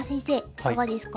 いかがですか？